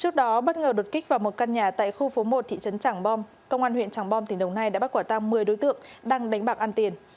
trước đó bất ngờ đột kích vào một căn nhà tại khu phố một thị trấn tràng bom công an huyện tràng bom tỉnh đồng nai đã bắt quả tăng một mươi đối tượng đang đánh bạc ăn tiền